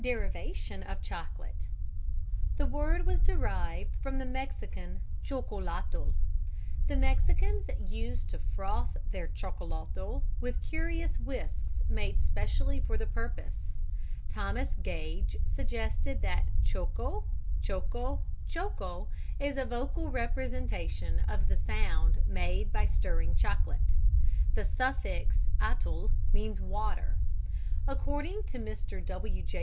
Derivation of Chocolate. The word was derived from the Mexican chocolatl. The Mexicans used to froth their chocolatl with curious whisks made specially for the purpose (see page 6). Thomas Gage suggests that choco, choco, choco is a vocal representation of the sound made by stirring chocolate. The suffix atl means water. According to Mr. W.J.